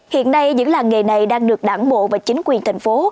hiện nay những làng nghề này đang được đảng bộ và chính quyền thành phố